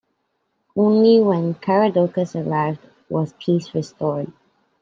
Only when Caradocus arrived was peace restored.